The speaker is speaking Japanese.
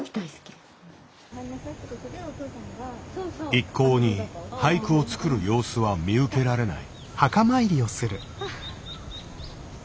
一向に俳句を作る様子は見受けられない。